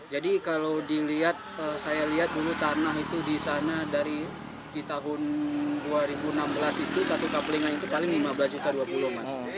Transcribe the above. jadi kalau dilihat saya lihat dulu tanah itu disana dari di tahun dua ribu enam belas itu satu kaplingan itu paling lima belas juta dua puluh mas